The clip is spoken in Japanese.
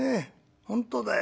本当だよ。